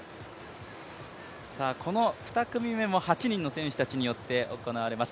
この２組目も８人の選手によって行われます。